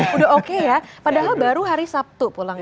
sudah baik ya padahal baru hari sabtu pulangnya